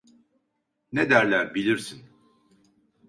Ne derler bilirsin…